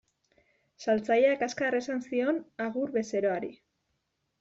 Saltzaileak azkar esan zion agur bezeroari.